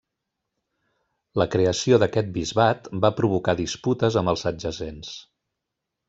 La creació d'aquest bisbat va provocar disputes amb els adjacents.